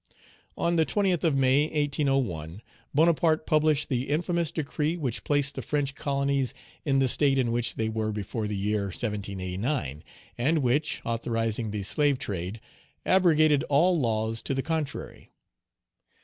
On the 20th of May, 1801, Bonaparte published the infamous decree which placed the French colonies in the state in which they were before the year 1789, and which, authorizing the slave trade, abrogated all laws to the contrary.